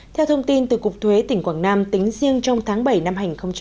theo thông tin từ cục thuế tỉnh quảng nam tính riêng trong tháng bảy năm hai nghìn một mươi chín